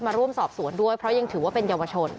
มาร่วมสอบสวนด้วยเพราะยังถือว่าเป็นเยาวชน